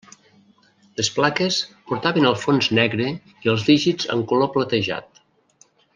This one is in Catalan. Les plaques portaven el fons negre i els dígits en color platejat.